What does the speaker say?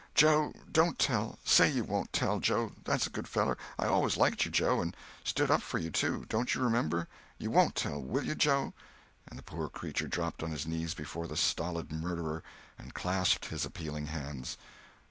Joe, don't tell! Say you won't tell, Joe—that's a good feller. I always liked you, Joe, and stood up for you, too. Don't you remember? You won't tell, will you, Joe?" And the poor creature dropped on his knees before the stolid murderer, and clasped his appealing hands.